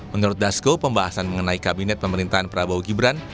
menurut dasko pembahasan mengenai kabinet pemerintahan prabowo gibran